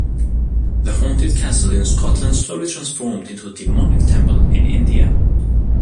The haunted castle in Scotland slowly transformed into a demonic temple in India.